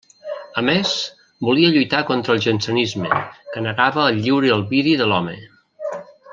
A més, volia lluitar contra el jansenisme, que negava el lliure albiri de l'home.